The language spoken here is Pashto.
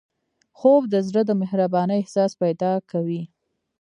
خوب د زړه د مهربانۍ احساس پیدا کوي